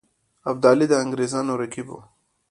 ابدالي د انګرېزانو رقیب وو.